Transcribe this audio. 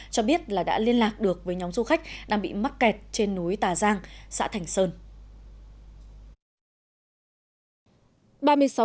cho biết đã liên lạc được với nhóm du khách đang bị mắc kẹt trên núi tà giang xã thành sơn